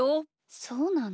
そうなの？